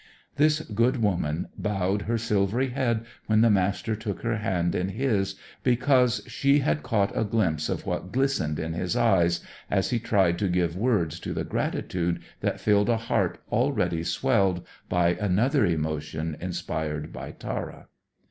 This good woman bowed her silvery head when the Master took her hand in his, because she had caught a glimpse of what glistened in his eyes, as he tried to give words to the gratitude that filled a heart already swelled by another emotion inspired by Tara.